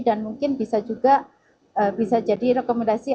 dan mungkin bisa juga bisa jadi rekomendasi